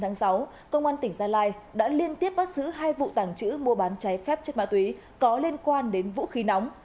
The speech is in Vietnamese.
ngày sáu công an tỉnh gia lai đã liên tiếp bắt giữ hai vụ tàng trữ mua bán cháy phép chất ma túy có liên quan đến vũ khí nóng